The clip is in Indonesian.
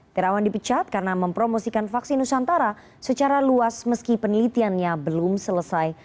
terawan dipecat karena mempromosikan vaksin nusantara secara luas meski penelitiannya belum selesai